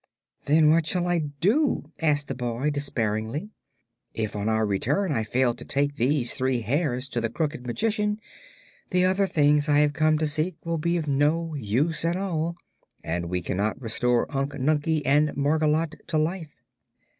"Then what shall I do?" asked the boy, despairingly. "If on our return I fail to take these three hairs to the Crooked Magician, the other things I have come to seek will be of no use at all, and we cannot restore Unc Nunkie and Margolotte to life."